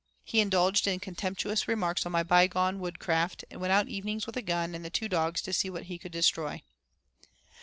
He indulged in contemptuous remarks on my by gone woodcraft, and went out evenings with a gun and the two dogs, to see what he could destroy.